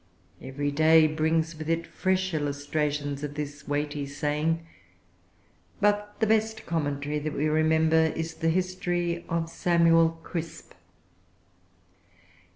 Every day brings with it fresh illustrations of this weighty saying; but the best commentary that we remember is the history of Samuel Crisp.